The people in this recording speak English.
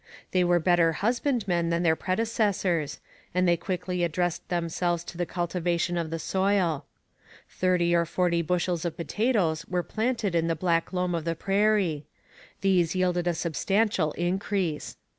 They were better husbandmen than their predecessors, and they quickly addressed themselves to the cultivation of the soil. Thirty or forty bushels of potatoes were planted in the black loam of the prairie. These yielded a substantial increase.